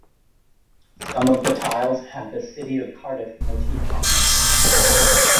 Some of the tiles have the City of Cardiff motif on them.